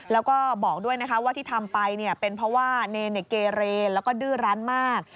แล้วก็บอกด้วยนะคะว่าที่ทำไปเป็นเพราะว่าเนรเกเรแล้วก็ดื้อรั้นมาก